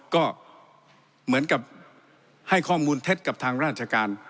ก็เหมือนกับให้ข้อมูลเท็จกับทางราชการ